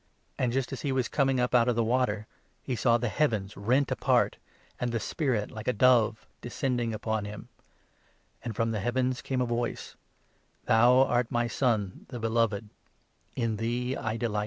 And just as he was coming up out of 10 the water, he saw the heavens rent apart, and the Spirit, like a dove, descending upon him, and from the heavens came n a voice — "Thou art my Son, the Beloved ; in thee I delight."